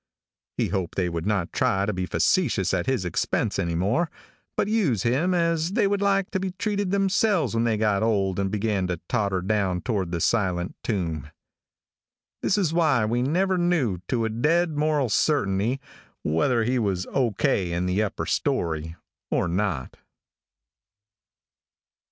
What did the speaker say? He hoped they would not try to be facetious at his expense any more, but use him as they would like to be treated themselves when they got old and began to totter down toward the silent tomb. "This is why we never knew to a dead moral certainty, whether he was O. K. in the upper story, or not."